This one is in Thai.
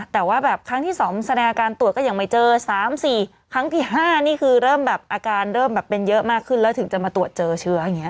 แต่ว่าแบบครั้งที่๒แสดงอาการตรวจก็ยังไม่เจอ๓๔ครั้งที่๕นี่คือเริ่มแบบอาการเริ่มแบบเป็นเยอะมากขึ้นแล้วถึงจะมาตรวจเจอเชื้ออย่างนี้